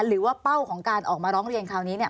เป้าของการออกมาร้องเรียนคราวนี้เนี่ย